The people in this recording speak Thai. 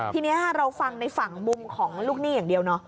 ทีนี้เราฟังในฝั่งมุมของลูกหนี้อย่างเดียวเนาะ